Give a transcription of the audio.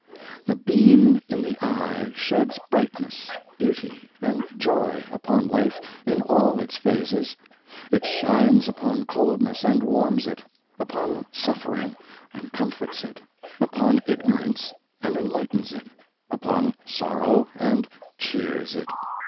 The beam in the eye sheds brightness, beauty, and joy upon life in all its phases. It shines upon coldness, and warms it; upon suffering, and comforts it; upon ignorance, and enlightens it; upon sorrow and cheers it.